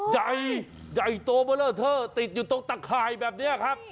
ใดใดโตมาแล้วเธอติดอยู่ตรงตักข่ายแบบนี้ครับ